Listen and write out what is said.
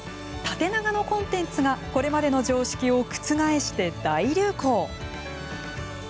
縦長のコンテンツがこれまでの常識を覆して大流行。